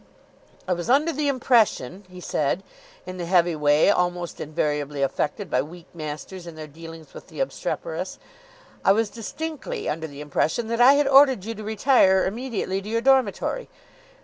"I was under the impression," he said, in the heavy way almost invariably affected by weak masters in their dealings with the obstreperous, "I was distinctly under the impression that I had ordered you to retire immediately to your dormitory.